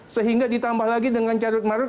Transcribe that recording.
sehingga ditambah lagi dengan carut marut